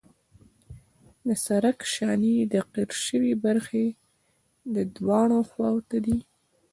د سرک شانې د قیر شوې برخې دواړو خواو ته دي